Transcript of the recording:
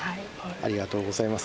ありがとうございます。